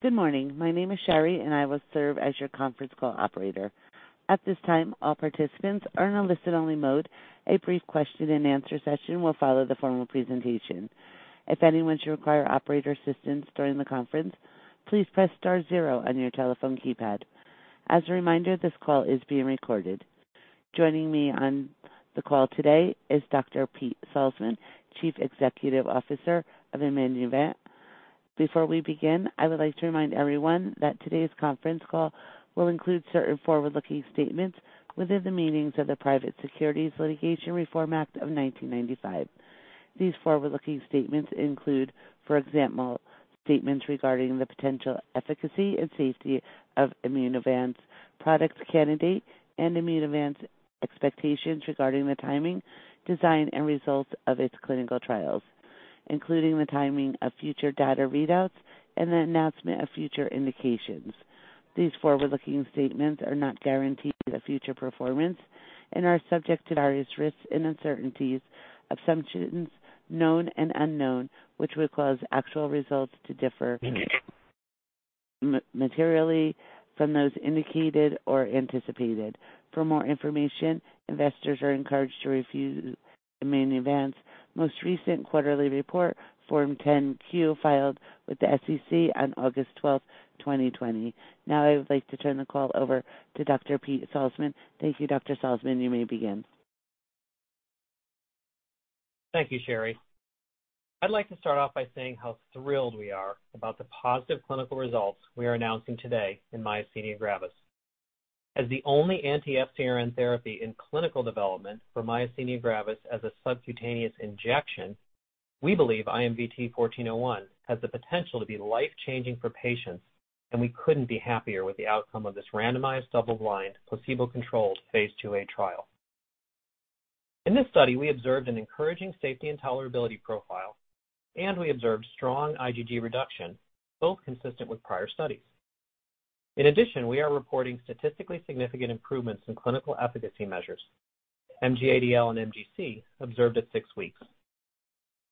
Good morning. My name is Sherry, and I will serve as your conference call operator. At this time, all participants are in a listen-only mode. A brief question and answer session will follow the formal presentation. If anyone should require operator assistance during the conference, please press star zero on your telephone keypad. As a reminder, this call is being recorded. Joining me on the call today is Dr. Pete Salzmann, Chief Executive Officer of Immunovant. Before we begin, I would like to remind everyone that today's conference call will include certain forward-looking statements within the meanings of the Private Securities Litigation Reform Act of 1995. These forward-looking statements include, for example, statements regarding the potential efficacy and safety of Immunovant's products candidate and Immunovant's expectations regarding the timing, design, and results of its clinical trials, including the timing of future data readouts and the announcement of future indications. These forward-looking statements are not guarantees of future performance and are subject to various risks and uncertainties, assumptions, known and unknown, which would cause actual results to differ materially from those indicated or anticipated. For more information, investors are encouraged to review Immunovant's most recent quarterly report, Form 10-Q filed with the SEC on August 12, 2020. Now I would like to turn the call over to Dr. Pete Salzmann. Thank you, Dr. Salzmann. You may begin. Thank you, Sherry. I'd like to start off by saying how thrilled we are about the positive clinical results we are announcing today in myasthenia gravis. As the only anti-FcRn therapy in clinical development for myasthenia gravis as a subcutaneous injection, we believe IMVT-1401 has the potential to be life-changing for patients, and we couldn't be happier with the outcome of this randomized, double-blind, placebo-controlled phase II-A trial. In this study, we observed an encouraging safety and tolerability profile, and we observed strong IgG reduction, both consistent with prior studies. In addition, we are reporting statistically significant improvements in clinical efficacy measures, MG-ADL and MGC, observed at six weeks.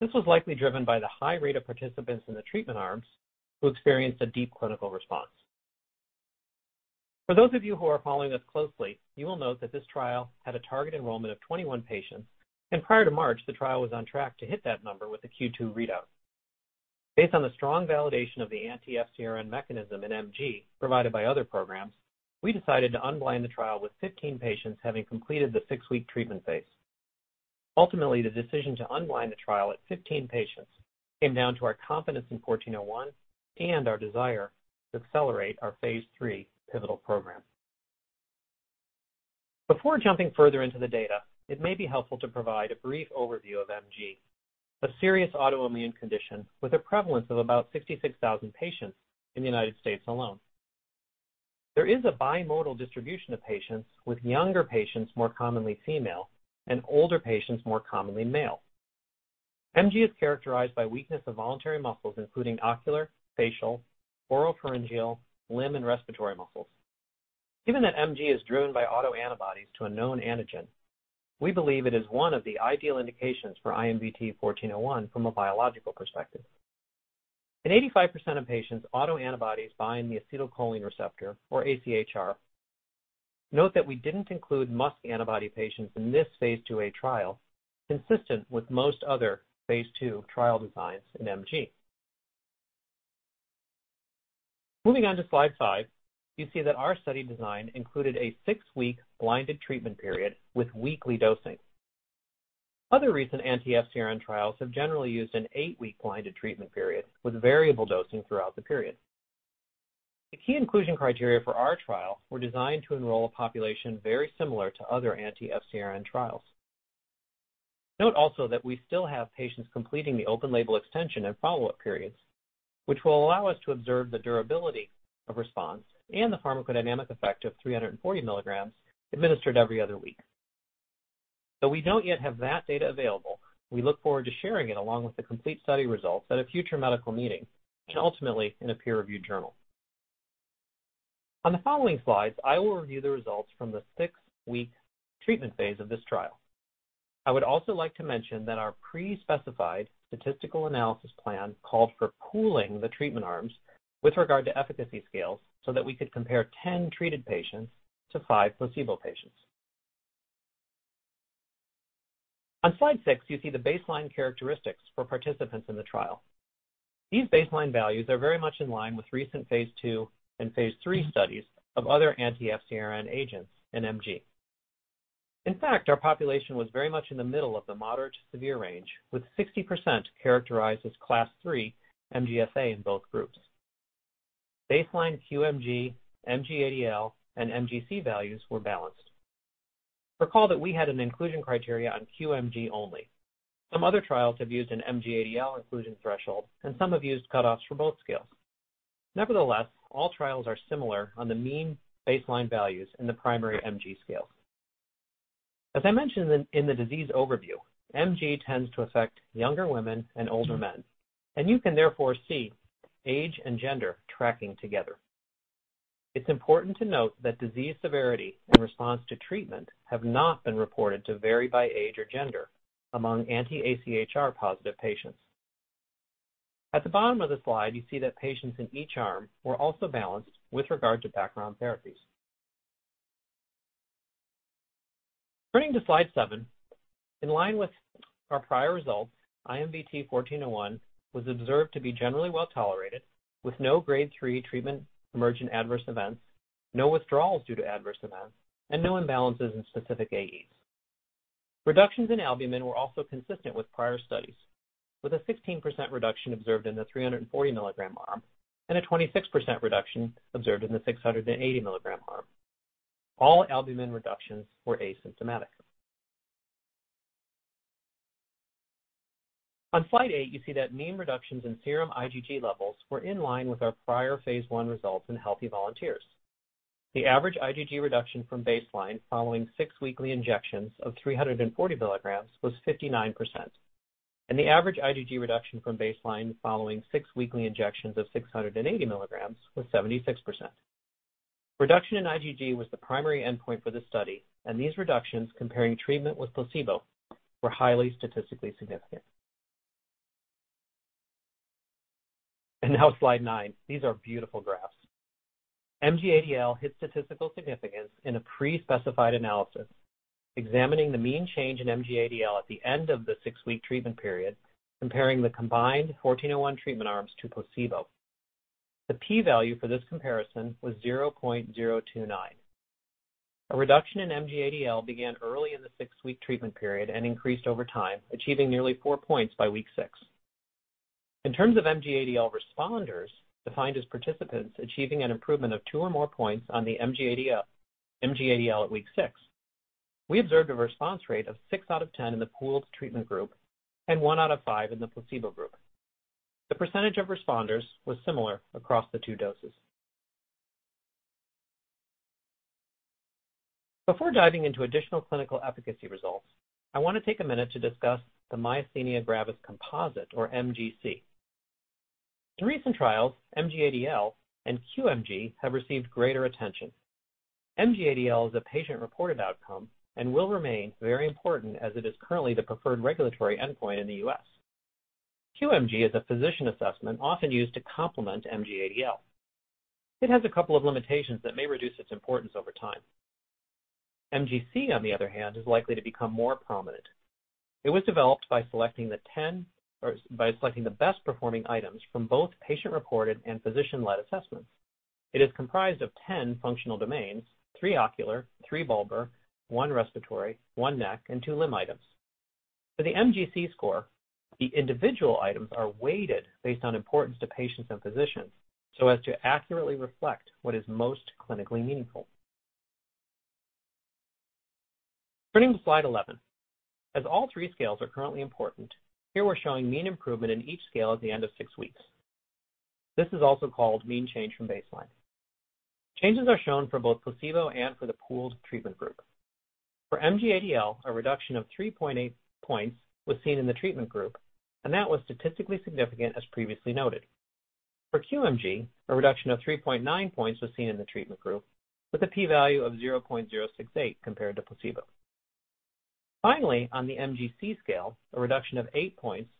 This was likely driven by the high rate of participants in the treatment arms who experienced a deep clinical response. For those of you who are following us closely, you will note that this trial had a target enrollment of 21 patients, and prior to March, the trial was on track to hit that number with a Q2 readout. Based on the strong validation of the anti-FcRn mechanism in MG provided by other programs, we decided to unblind the trial with 15 patients having completed the six-week treatment phase. Ultimately, the decision to unblind the trial at 15 patients came down to our confidence in 1401 and our desire to accelerate our phase III pivotal program. Before jumping further into the data, it may be helpful to provide a brief overview of MG, a serious autoimmune condition with a prevalence of about 66,000 patients in the United States alone. There is a bimodal distribution of patients, with younger patients more commonly female and older patients more commonly male. MG is characterized by weakness of voluntary muscles, including ocular, facial, oropharyngeal, limb, and respiratory muscles. Given that MG is driven by autoantibodies to a known antigen, we believe it is one of the ideal indications for IMVT-1401 from a biological perspective. In 85% of patients, autoantibodies bind the acetylcholine receptor, or AChR. Note that we didn't include MuSK antibody patients in this phase II-A trial, consistent with most other phase II trial designs in MG. Moving on to slide five, you see that our study design included a six-week blinded treatment period with weekly dosing. Other recent anti-FcRn trials have generally used an eight-week blinded treatment period with variable dosing throughout the period. The key inclusion criteria for our trial were designed to enroll a population very similar to other anti-FcRn trials. Note also that we still have patients completing the open-label extension and follow-up periods, which will allow us to observe the durability of response and the pharmacodynamic effect of 340 milligrams administered every other week. Though we don't yet have that data available, we look forward to sharing it along with the complete study results at a future medical meeting and ultimately in a peer-reviewed journal. On the following slides, I will review the results from the six-week treatment phase of this trial. I would also like to mention that our pre-specified statistical analysis plan called for pooling the treatment arms with regard to efficacy scales so that we could compare 10 treated patients to five placebo patients. On slide six, you see the baseline characteristics for participants in the trial. These baseline values are very much in line with recent phase II and phase III studies of other anti-FcRn agents in MG. Our population was very much in the middle of the moderate to severe range, with 60% characterized as Class 3 MGFA in both groups. Baseline QMG, MG-ADL, and MGC values were balanced. Recall that we had an inclusion criteria on QMG only. Some other trials have used an MG-ADL inclusion threshold, and some have used cutoffs for both scales. Nevertheless, all trials are similar on the mean baseline values in the primary MG scale. As I mentioned in the disease overview, MG tends to affect younger women and older men, and you can therefore see age and gender tracking together. It's important to note that disease severity and response to treatment have not been reported to vary by age or gender among anti-AChR positive patients. At the bottom of the slide, you see that patients in each arm were also balanced with regard to background therapies. Turning to slide seven, in line with our prior results, IMVT-1401 was observed to be generally well-tolerated with no grade three treatment emergent adverse events, no withdrawals due to adverse events, and no imbalances in specific AEs. Reductions in albumin were also consistent with prior studies, with a 16% reduction observed in the 340 milligram arm and a 26% reduction observed in the 680 milligram arm. All albumin reductions were asymptomatic. On slide eight, you see that mean reductions in serum IgG levels were in line with our prior phase I results in healthy volunteers. The average IgG reduction from baseline following six weekly injections of 340 milligrams was 59%, and the average IgG reduction from baseline following six weekly injections of 680 milligrams was 76%. Now slide nine. These are beautiful graphs. MG-ADL hit statistical significance in a pre-specified analysis examining the mean change in MG-ADL at the end of the six-week treatment period, comparing the combined 1401 treatment arms to placebo. The P value for this comparison was 0.029. A reduction in MG-ADL began early in the six-week treatment period and increased over time, achieving nearly four points by week six. In terms of MG-ADL responders, defined as participants achieving an improvement of two or more points on the MG-ADL at week six, we observed a response rate of 6/10 in the pooled treatment group and one out of five in the placebo group. The percentage of responders was similar across the two doses. Before diving into additional clinical efficacy results, I want to take a minute to discuss the myasthenia gravis composite, or MGC. In recent trials, MG-ADL and QMG have received greater attention. MG-ADL is a patient-reported outcome and will remain very important as it is currently the preferred regulatory endpoint in the U.S. QMG is a physician assessment often used to complement MG-ADL. It has a couple of limitations that may reduce its importance over time. MGC, on the other hand, is likely to become more prominent. It was developed by selecting the best-performing items from both patient-reported and physician-led assessments. It is comprised of 10 functional domains, three ocular, three bulbar, one respiratory, one neck, and two limb items. For the MGC score, the individual items are weighted based on importance to patients and physicians so as to accurately reflect what is most clinically meaningful. Turning to slide 11. As all three scales are currently important, here we're showing mean improvement in each scale at the end of six weeks. This is also called mean change from baseline. Changes are shown for both placebo and for the pooled treatment group. For MG-ADL, a reduction of 3.8 points was seen in the treatment group, and that was statistically significant as previously noted. For QMG, a reduction of 3.9 points was seen in the treatment group with a P value of 0.068 compared to placebo. Finally, on the MGC scale, a reduction of eight points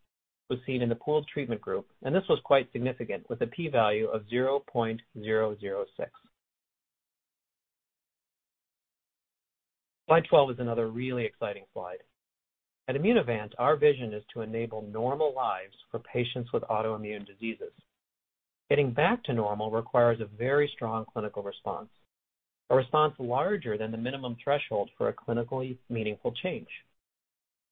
was seen in the pooled treatment group, and this was quite significant with a P value of 0.006. Slide 12 is another really exciting slide. At Immunovant, our vision is to enable normal lives for patients with autoimmune diseases. Getting back to normal requires a very strong clinical response, a response larger than the minimum threshold for a clinically meaningful change.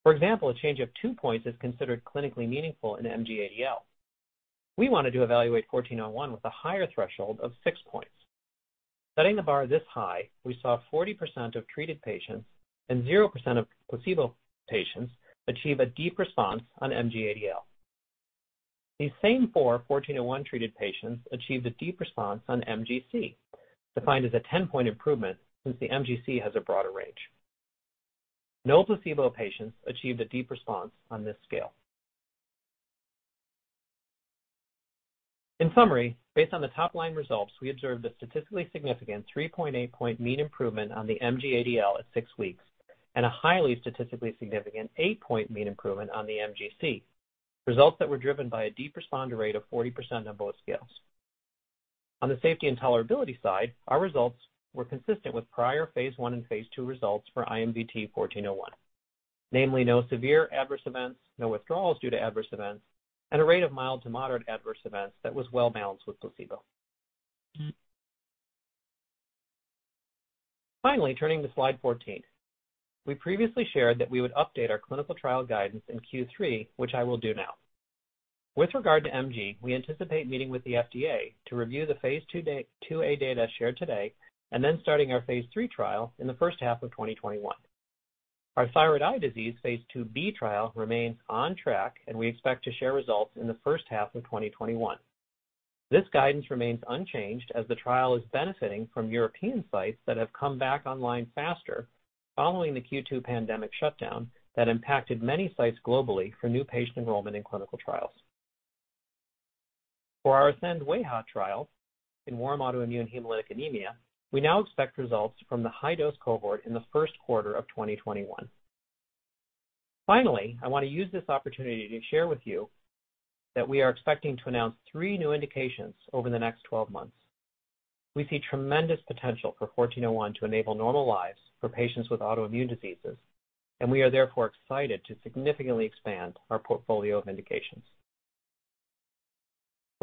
For example, a change of two points is considered clinically meaningful in MG-ADL. We wanted to evaluate 1401 with a higher threshold of six points. Setting the bar this high, we saw 40% of treated patients and 0% of placebo patients achieve a deep response on MG-ADL. These same four 1401-treated patients achieved a deep response on MGC, defined as a 10-point improvement, since the MGC has a broader range. No placebo patients achieved a deep response on this scale. In summary, based on the top-line results, we observed a statistically significant 3.8 point mean improvement on the MG-ADL at six weeks and a highly statistically significant eight-point mean improvement on the MGC. Results that were driven by a deep responder rate of 40% on both scales. On the safety and tolerability side, our results were consistent with prior phase I and phase II results for IMVT-1401, namely no severe adverse events, no withdrawals due to adverse events, and a rate of mild to moderate adverse events that was well-balanced with placebo. Turning to slide 14. We previously shared that we would update our clinical trial guidance in Q3, which I will do now. With regard to MG, we anticipate meeting with the FDA to review the phase II-A data shared today and then starting our phase III trial in the first half of 2021. Our thyroid eye disease phase II-B trial remains on track, and we expect to share results in the first half of 2021. This guidance remains unchanged as the trial is benefiting from European sites that have come back online faster following the Q2 pandemic shutdown that impacted many sites globally for new patient enrollment in clinical trials. For our ASCEND-WAIHA trials in warm autoimmune hemolytic anemia, we now expect results from the high-dose cohort in the first quarter of 2021. Finally, I want to use this opportunity to share with you that we are expecting to announce three new indications over the next 12 months. We see tremendous potential for IMVT-1401 to enable normal lives for patients with autoimmune diseases, and we are therefore excited to significantly expand our portfolio of indications.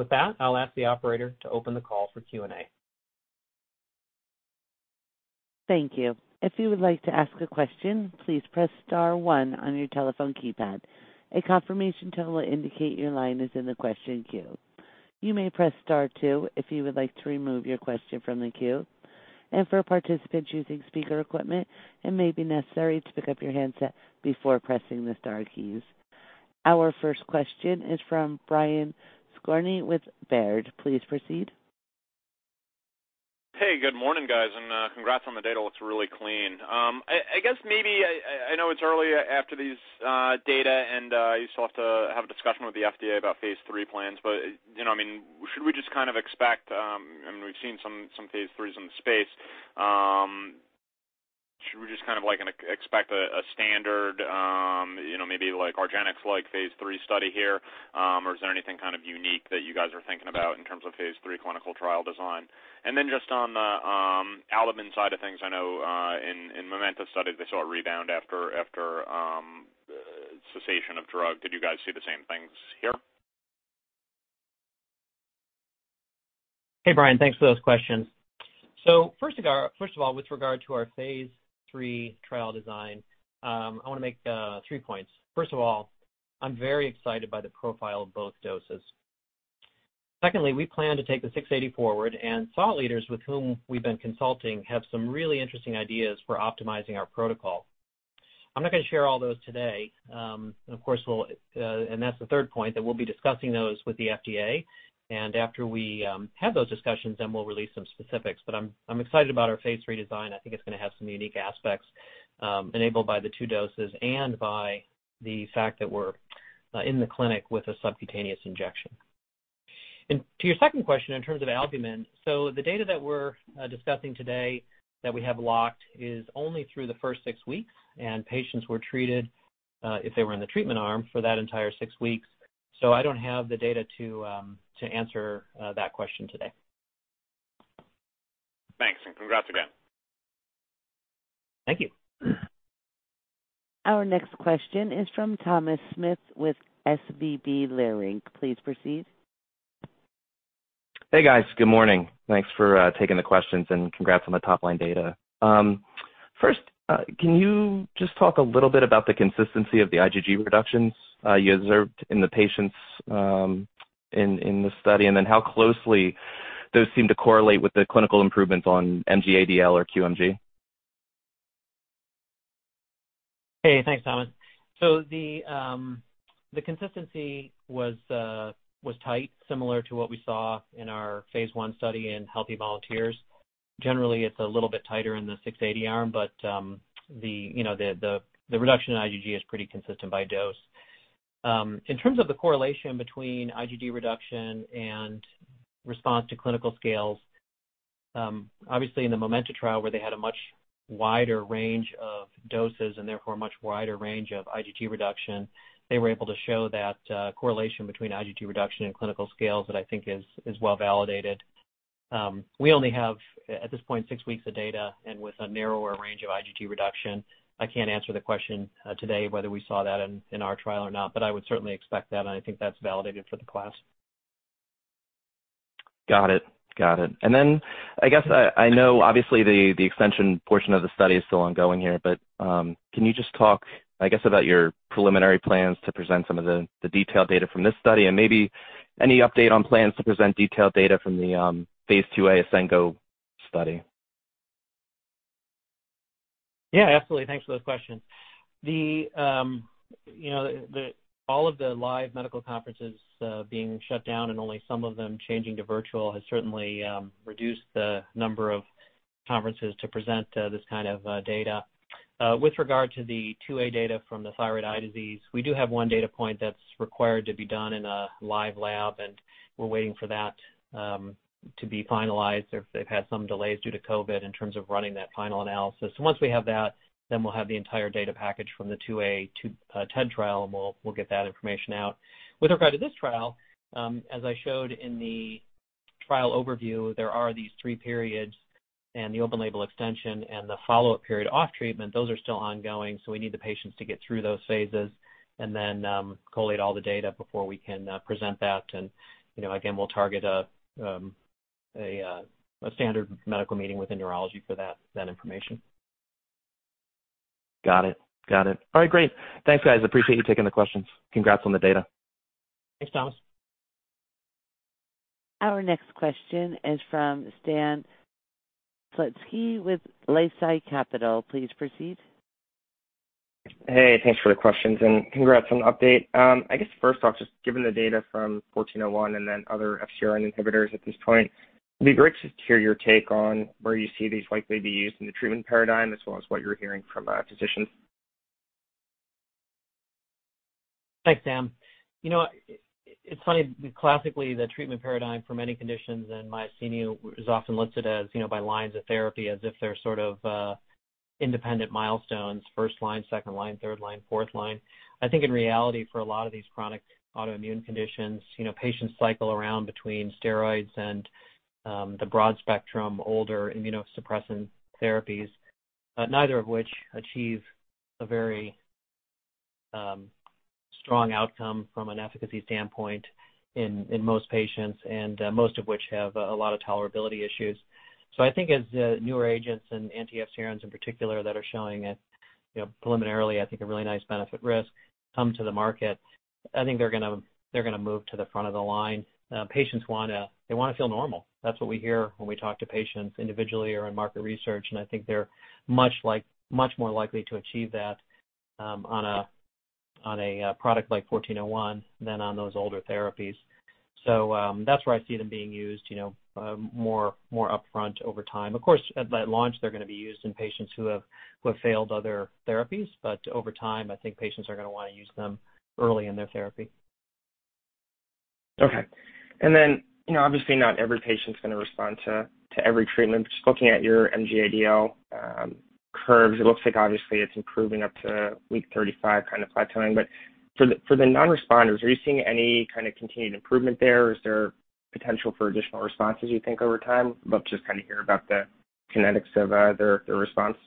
With that, I'll ask the operator to open the call for Q&A. Thank you. If you would like to ask a question, please press star one on your telephone keypad. A confirmation tone will indicate your line is in the question queue. You may press star two if you would like to remove your question from the queue. For participants using speaker equipment, it may be necessary to pick up your handset before pressing the star keys. Our first question is from Brian Skorney with Baird. Please proceed. Hey, good morning, guys, and congrats on the data. It looks really clean. I know it's early after these data, and you still have to have a discussion with the FDA about phase III plans, but should we just expect, we've seen some phase III in the space. Should we just expect a standard maybe like argenx-like phase III study here? Or is there anything unique that you guys are thinking about in terms of phase III clinical trial design? Just on the albumin side of things, I know in Momenta's study, they saw a rebound after cessation of drug. Did you guys see the same things here? Hey, Brian. Thanks for those questions. First of all, with regard to our phase III trial design, I want to make three points. First of all, I'm very excited by the profile of both doses. Secondly, we plan to take the 680 forward, thought leaders with whom we've been consulting have some really interesting ideas for optimizing our protocol. I'm not going to share all those today. That's the third point, that we'll be discussing those with the FDA, after we have those discussions, then we'll release some specifics. I'm excited about our phase III design. I think it's going to have some unique aspects enabled by the two doses and by the fact that we're in the clinic with a subcutaneous injection. To your second question, in terms of albumin, the data that we're discussing today that we have locked is only through the first six weeks, and patients were treated, if they were in the treatment arm, for that entire six weeks. I don't have the data to answer that question today. Thanks, congrats again. Thank you. Our next question is from Thomas Smith with SVB Leerink. Please proceed. Hey, guys. Good morning. Thanks for taking the questions and congrats on the top-line data. First, can you just talk a little bit about the consistency of the IgG reductions you observed in the patients in the study, and then how closely those seem to correlate with the clinical improvements on MG-ADL or QMG? Thanks, Thomas. The consistency was tight, similar to what we saw in our phase I study in healthy volunteers. Generally, it's a little bit tighter in the 680 arm, but the reduction in IgG is pretty consistent by dose. In terms of the correlation between IgG reduction and response to clinical scales, obviously in the Momenta trial, where they had a much wider range of doses and therefore a much wider range of IgG reduction, they were able to show that correlation between IgG reduction and clinical scales that I think is well-validated. We only have, at this point, six weeks of data and with a narrower range of IgG reduction. I can't answer the question today whether we saw that in our trial or not, but I would certainly expect that, and I think that's validated for the class. Got it. I guess I know obviously the extension portion of the study is still ongoing here, can you just talk, I guess, about your preliminary plans to present some of the detailed data from this study and maybe any update on plans to present detailed data from the phase II-A ASCEND-GO study? Yeah, absolutely. Thanks for those questions. All of the live medical conferences being shut down and only some of them changing to virtual has certainly reduced the number of conferences to present this kind of data. With regard to the phase II-A data from the thyroid eye disease, we do have one data point that's required to be done in a live lab, and we're waiting for that to be finalized. They've had some delays due to COVID in terms of running that final analysis. Once we have that, then we'll have the entire data package from the phase II-A TED trial, and we'll get that information out. With regard to this trial, as I showed in the trial overview, there are these three periods, and the open label extension and the follow-up off treatment, those are still ongoing. We need the patients to get through those phases and then collate all the data before we can present that. Again, we'll target a standard medical meeting within neurology for that information. Got it. All right, great. Thanks, guys. I appreciate you taking the questions. Congrats on the data. Thanks, Thomas. Our next question is from Stan Plotkin with Lakeside Capital. Please proceed. Hey, thanks for the questions and congrats on the update. I guess first off, just given the data from 1401 and then other FcRn inhibitors at this point, it'd be great just to hear your take on where you see these likely be used in the treatment paradigm as well as what you're hearing from physicians Thanks, Stan. It's funny, classically, the treatment paradigm for many conditions and myasthenia is often listed by lines of therapy as if they're independent milestones, first line, second line, third line, fourth line. I think in reality, for a lot of these chronic autoimmune conditions, patients cycle around between steroids and the broad-spectrum older immunosuppressant therapies. Neither of which achieve a very strong outcome from an efficacy standpoint in most patients, and most of which have a lot of tolerability issues. I think as newer agents and anti-FcRns in particular that are showing it preliminarily, I think a really nice benefit-risk come to the market. I think they're going to move to the front of the line. Patients want to feel normal. That's what we hear when we talk to patients individually or in market research, and I think they're much more likely to achieve that on a product like 1401 than on those older therapies. That's where I see them being used, more upfront over time. Of course, at launch, they're going to be used in patients who have failed other therapies. Over time, I think patients are going to want to use them early in their therapy. Okay. Obviously not every patient's going to respond to every treatment. Just looking at your MG-ADL curves, it looks like obviously it's improving up to week 35, kind of plateauing. For the non-responders, are you seeing any kind of continued improvement there? Is there potential for additional responses, you think, over time? I'd love to just hear about the kinetics of their response.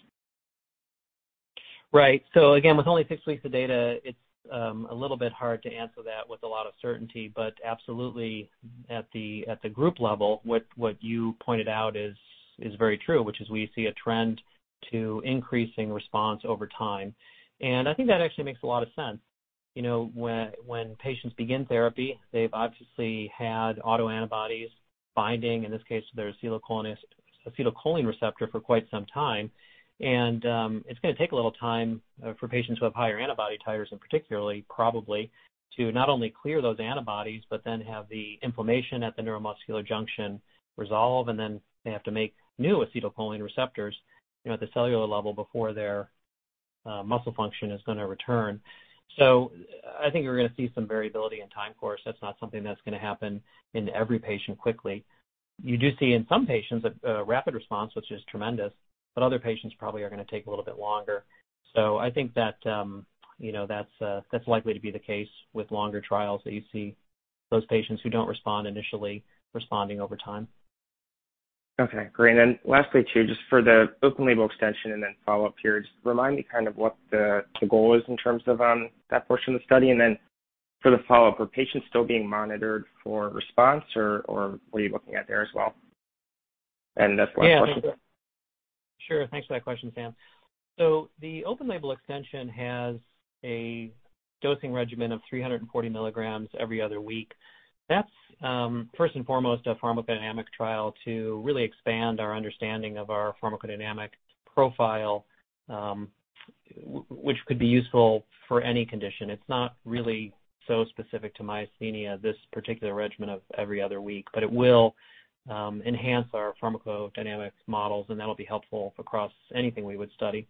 Right. Again, with only six weeks of data, it's a little bit hard to answer that with a lot of certainty. Absolutely, at the group level, what you pointed out is very true, which is we see a trend to increasing response over time. I think that actually makes a lot of sense. When patients begin therapy, they've obviously had autoantibodies binding, in this case, their acetylcholine receptor for quite some time. It's going to take a little time for patients who have higher antibody titers, and particularly probably to not only clear those antibodies, but then have the inflammation at the neuromuscular junction resolve, and then they have to make new acetylcholine receptors at the cellular level before their muscle function is going to return. I think we're going to see some variability in time course. That's not something that's going to happen in every patient quickly. You do see in some patients a rapid response, which is tremendous, but other patients probably are going to take a little bit longer. I think that's likely to be the case with longer trials, that you see those patients who don't respond initially responding over time. Okay, great. Lastly, too, just for the open-label extension and then follow-up periods, remind me what the goal is in terms of that portion of the study and then for the follow-up? Are patients still being monitored for response or what are you looking at there as well? That's the last question. Sure. Thanks for that question, Stan. The open-label extension has a dosing regimen of 340 milligrams every other week. That's first and foremost a pharmacodynamic trial to really expand our understanding of our pharmacodynamic profile, which could be useful for any condition. It's not really so specific to myasthenia, this particular regimen of every other week. It will enhance our pharmacodynamics models, and that'll be helpful across anything we would study.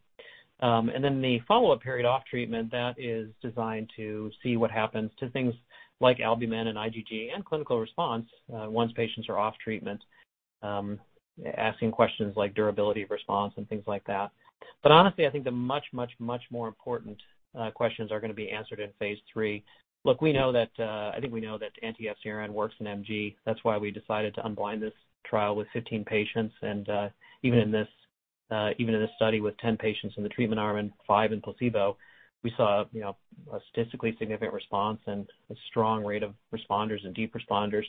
The follow-up period off treatment, that is designed to see what happens to things like albumin and IgG and clinical response once patients are off treatment, asking questions like durability of response and things like that. Honestly, I think the much, much, much more important questions are going to be answered in phase III. Look, I think we know that anti-FcRn works in MG. That's why we decided to unblind this trial with 15 patients and even in this study with 10 patients in the treatment arm and five in placebo, we saw a statistically significant response and a strong rate of responders and deep responders.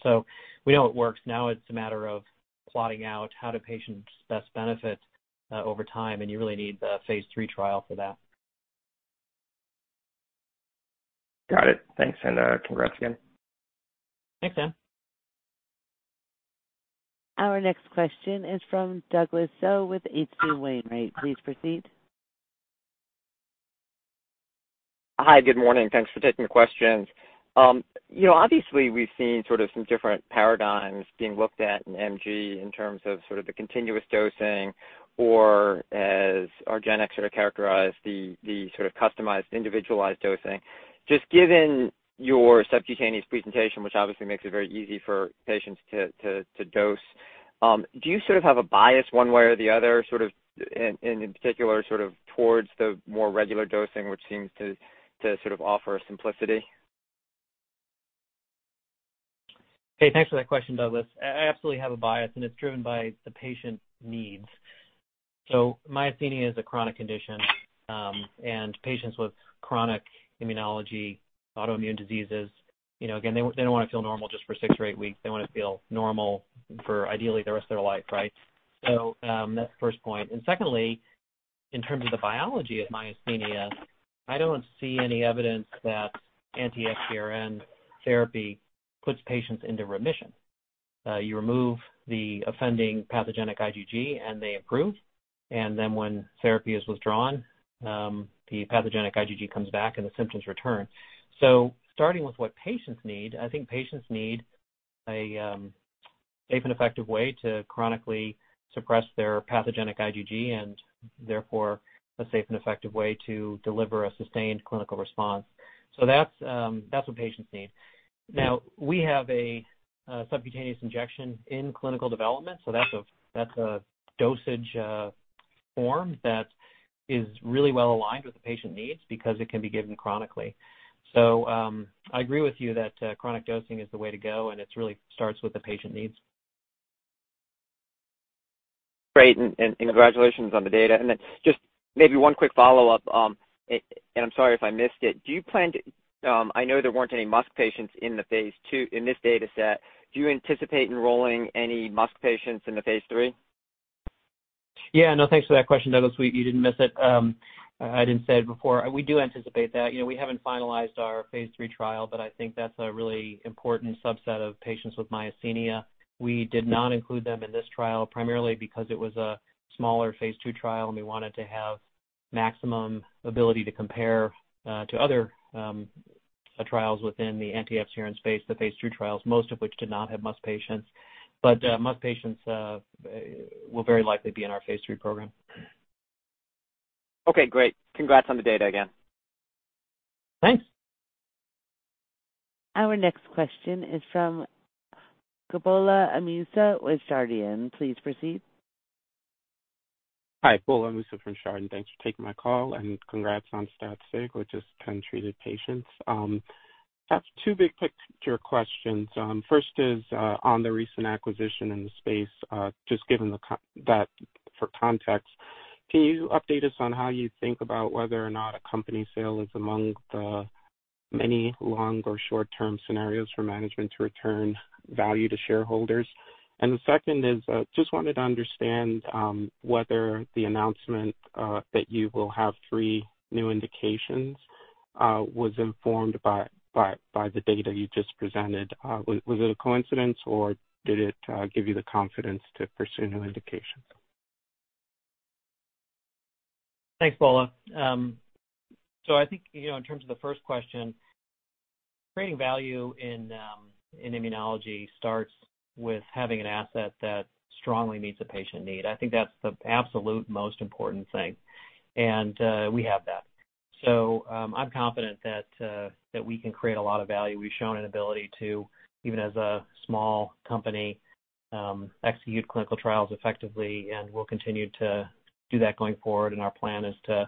We know it works. Now it's a matter of plotting out how do patients best benefit over time, and you really need the phase III trial for that. Got it. Thanks, and congrats again. Thanks, Stan. Our next question is from Douglas Tsao with H.C. Wainwright. Please proceed. Hi, good morning. Thanks for taking the questions. Obviously we've seen sort of some different paradigms being looked at in MG in terms of sort of the continuous dosing or as argenx sort of characterized the sort of customized individualized dosing. Just given your subcutaneous presentation, which obviously makes it very easy for patients to dose, do you sort of have a bias one way or the other sort of in particular sort of towards the more regular dosing, which seems to sort of offer simplicity? Hey, thanks for that question, Douglas. I absolutely have a bias, and it's driven by the patient needs. Myasthenia is a chronic condition, and patients with chronic immunology, autoimmune diseases, again, they don't want to feel normal just for six or eight weeks. They want to feel normal for ideally the rest of their life, right? That's the first point. Secondly, in terms of the biology of myasthenia, I don't see any evidence that anti-FcRn therapy puts patients into remission. You remove the offending pathogenic IgG, and they improve, and then when therapy is withdrawn, the pathogenic IgG comes back, and the symptoms return. Starting with what patients need, I think patients need a safe and effective way to chronically suppress their pathogenic IgG and therefore a safe and effective way to deliver a sustained clinical response. That's what patients need. Now, we have a subcutaneous injection in clinical development. That's a dosage form that is really well-aligned with the patient needs because it can be given chronically. I agree with you that chronic dosing is the way to go. It really starts with the patient needs. Great, and congratulations on the data. Just maybe one quick follow-up, and I'm sorry if I missed it. I know there weren't any MuSK patients in this data set. Do you anticipate enrolling any MuSK patients in the phase III? Yeah, no, thanks for that question, Douglas. You didn't miss it. I didn't say it before. We do anticipate that. We haven't finalized our phase III trial, but I think that's a really important subset of patients with myasthenia. We did not include them in this trial, primarily because it was a smaller phase II trial, and we wanted to have maximum ability to compare to other trials within the anti-FcRn space, the phase III trials, most of which did not have MuSK patients. MuSK patients will very likely be in our phase III program. Okay, great. Congrats on the data again. Thanks. Our next question is from Gbola Amusa with Chardan. Please proceed. Hi, Gbola Amusa from Chardan. Thanks for taking my call and congrats on stat sig, which is 10 treated patients. I have two big-picture questions. First is on the recent acquisition in the space, just given that for context. Can you update us on how you think about whether or not a company sale is among the many long or short-term scenarios for management to return value to shareholders? The second is, just wanted to understand whether the announcement that you will have three new indications was informed by the data you just presented. Was it a coincidence or did it give you the confidence to pursue new indications? Thanks, Gbola. I think, in terms of the first question, creating value in immunology starts with having an asset that strongly meets a patient need. I think that's the absolute most important thing, and we have that. I'm confident that we can create a lot of value. We've shown an ability to, even as a small company, execute clinical trials effectively, and we'll continue to do that going forward. Our plan is to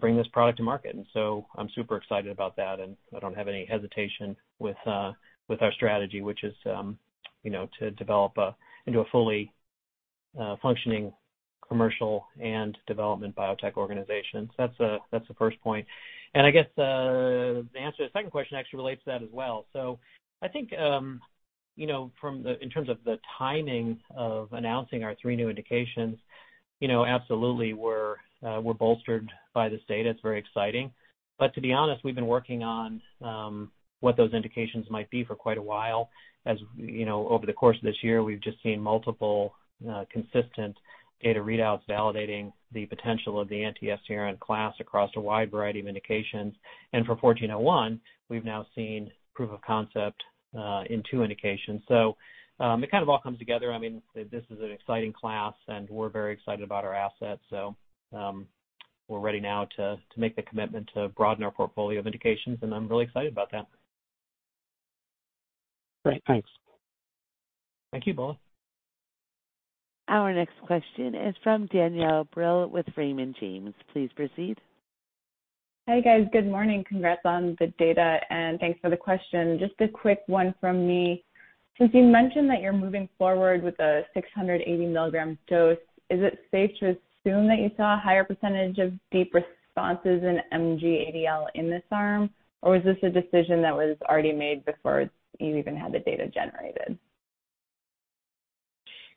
bring this product to market. I'm super excited about that, and I don't have any hesitation with our strategy, which is to develop into a fully functioning commercial and development biotech organization. That's the first point. I guess, the answer to the second question actually relates to that as well. I think in terms of the timing of announcing our three new indications, absolutely, we're bolstered by this data. It's very exciting. To be honest, we've been working on what those indications might be for quite a while. Over the course of this year, we've just seen multiple consistent data readouts validating the potential of the anti-FcRn class across a wide variety of indications. For 1401, we've now seen proof of concept in two indications. It kind of all comes together. This is an exciting class, and we're very excited about our assets. We're ready now to make the commitment to broaden our portfolio of indications, and I'm really excited about that. Great. Thanks. Thank you, Gbola. Our next question is from Danielle Brill with Raymond James. Please proceed. Hey, guys. Good morning. Congrats on the data, and thanks for the question. Just a quick one from me. Since you mentioned that you're moving forward with a 680 milligram dose, is it safe to assume that you saw a higher percentage of deep responses in MG-ADL in this arm, or was this a decision that was already made before you even had the data generated?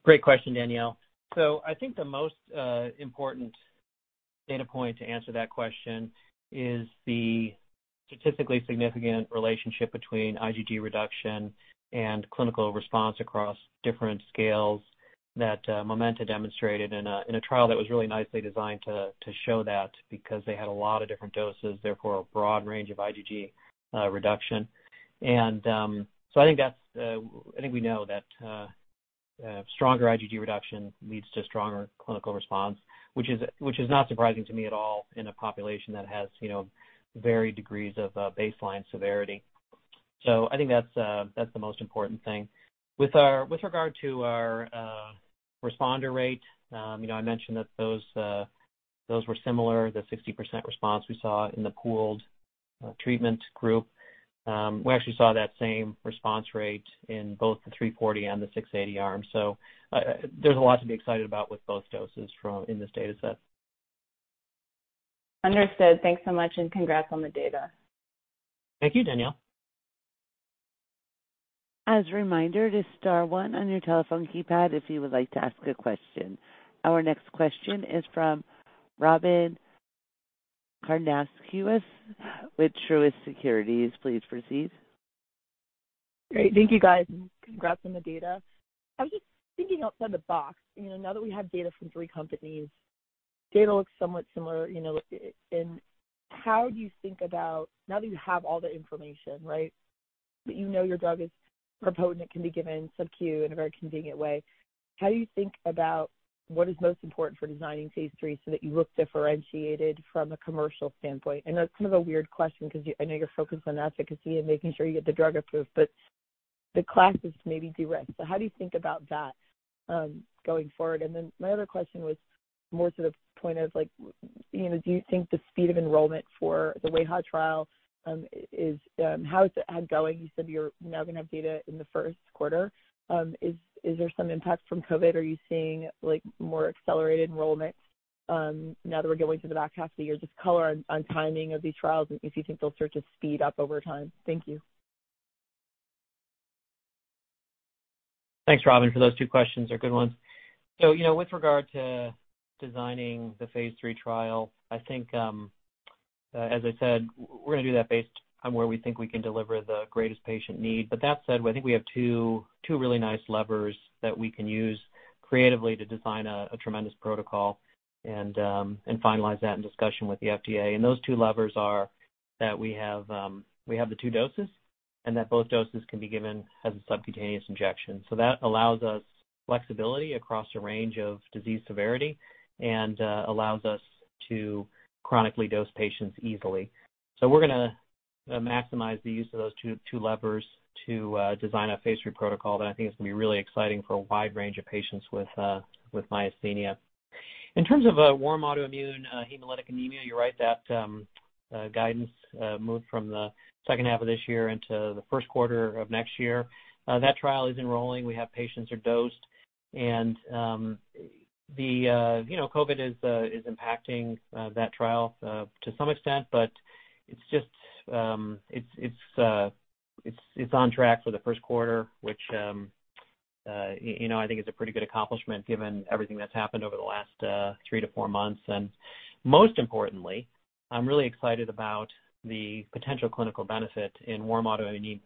Great question, Danielle. I think the most important data point to answer that question is the statistically significant relationship between IgG reduction and clinical response across different scales that Momenta demonstrated in a trial that was really nicely designed to show that because they had a lot of different doses, therefore a broad range of IgG reduction. I think we know that stronger IgG reduction leads to stronger clinical response, which is not surprising to me at all in a population that has varied degrees of baseline severity. I think that's the most important thing. With regard to our responder rate, I mentioned that those were similar, the 60% response we saw in the pooled treatment group. We actually saw that same response rate in both the 340 and the 680 arms. There's a lot to be excited about with both doses in this data set. Understood. Thanks so much. Congrats on the data. Thank you, Danielle. As a reminder to star one on your telephone keypad if you would like to ask a question. Our next question is from Robyn Karnauskas with Truist Securities. Please proceed. Great. Thank you, guys, and congrats on the data. I was just thinking outside the box. Now that we have data from three companies. Data looks somewhat similar. Now that you have all the information, that you know your drug is potent, can be given sub-Q in a very convenient way, how do you think about what is most important for designing phase III so that you look differentiated from a commercial standpoint? I know it's kind of a weird question because I know you're focused on efficacy and making sure you get the drug approved, but the class is maybe direct. How do you think about that going forward? My other question was more to the point of, do you think the speed of enrollment for the WAIHA trial, how is that going? You said you're now going to have data in the first quarter. Is there some impact from COVID? Are you seeing more accelerated enrollment now that we're going through the back half of the year? Just color on timing of these trials, and if you think they'll start to speed up over time. Thank you. Thanks, Robyn, for those two questions. They're good ones. With regard to designing the phase III trial, I think, as I said, we're going to do that based on where we think we can deliver the greatest patient need. That said, I think we have two really nice levers that we can use creatively to design a tremendous protocol and finalize that in discussion with the FDA. Those two levers are that we have the two doses, and that both doses can be given as a subcutaneous injection. That allows us flexibility across a range of disease severity and allows us to chronically dose patients easily. We're going to maximize the use of those two levers to design a phase III protocol that I think is going to be really exciting for a wide range of patients with myasthenia. In terms of warm autoimmune hemolytic anemia, you're right that guidance moved from the second half of this year into the first quarter of next year. That trial is enrolling. We have patients who are dosed and COVID is impacting that trial to some extent, but it's on track for the first quarter, which I think is a pretty good accomplishment given everything that's happened over the last three to four months. Most importantly, I'm really excited about the potential clinical benefit in warm autoimmune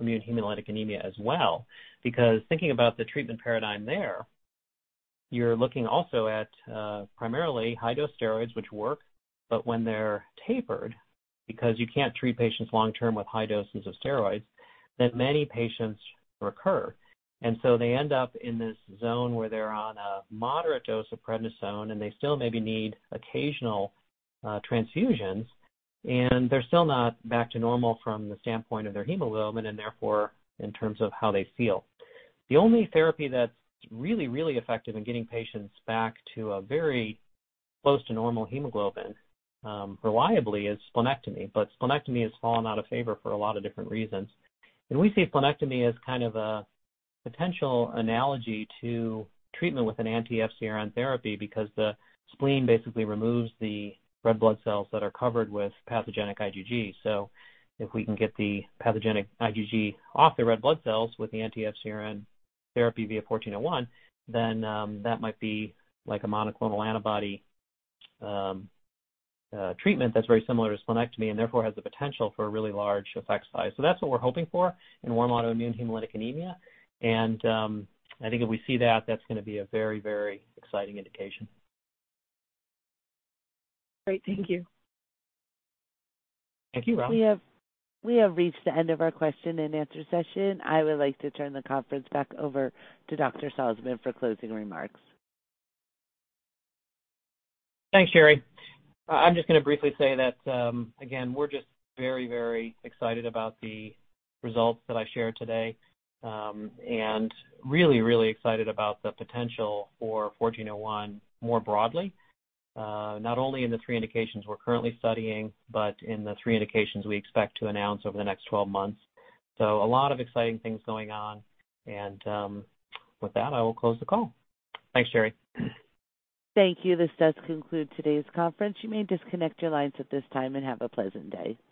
hemolytic anemia as well, because thinking about the treatment paradigm there, you're looking also at primarily high-dose steroids, which work, but when they're tapered, because you can't treat patients long term with high doses of steroids, then many patients recur. They end up in this zone where they're on a moderate dose of prednisone, and they still maybe need occasional transfusions, and they're still not back to normal from the standpoint of their hemoglobin and therefore, in terms of how they feel. The only therapy that's really, really effective in getting patients back to a very close to normal hemoglobin reliably is splenectomy. Splenectomy has fallen out of favor for a lot of different reasons. We see splenectomy as kind of a potential analogy to treatment with an anti-FcRn therapy because the spleen basically removes the red blood cells that are covered with pathogenic IgG. If we can get the pathogenic IgG off the red blood cells with the anti-FcRn therapy via 1401, then that might be like a monoclonal antibody treatment that's very similar to splenectomy and therefore has the potential for a really large effect size. That's what we're hoping for in warm autoimmune hemolytic anemia, and I think if we see that's going to be a very, very exciting indication. Great. Thank you. Thank you, Robyn. We have reached the end of our question and answer session. I would like to turn the conference back over to Dr. Salzmann for closing remarks. Thanks, Sherry. I'm just going to briefly say that, again, we're just very, very excited about the results that I shared today and really, really excited about the potential for 1401 more broadly. Not only in the three indications we're currently studying, but in the three indications we expect to announce over the next 12 months. A lot of exciting things going on and with that, I will close the call. Thanks, Sherry. Thank you. This does conclude today's conference. You may disconnect your lines at this time and have a pleasant day.